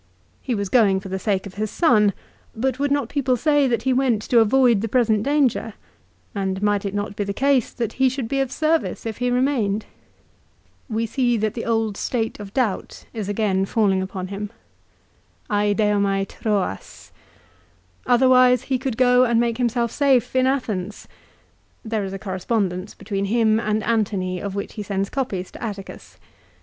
He was going for the sake of his son ; but would not people say that he went to avoid the present danger ; and might it not be the case that he should be of service if he remained ? l We see that the old state of 1 Ad Att. lib. xiv. 13. 220 LIFE OF CICERO. doubt is again falling upon him. At'Seo/iat T/o<wa<?. Other wise he could go and make himself safe in Athens. There is a correspondence between him and Antony of which he sends copies to Atticus.